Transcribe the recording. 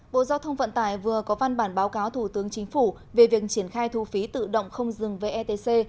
bộ giao thông vận tải vừa có văn bản báo cáo thủ tướng chính phủ về việc triển khai thu phí tự động không dừng vetc